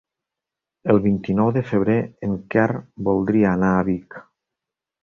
El vint-i-nou de febrer en Quer voldria anar a Vic.